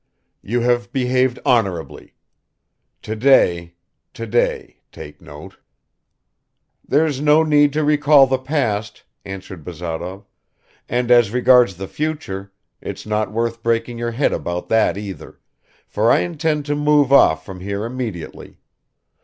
You have behaved honorably ... today, today take note." "There's no need to recall the past," answered Bazarov, "and as regards the future, it's not worth breaking your head about that either, for I intend to move off from here immediately.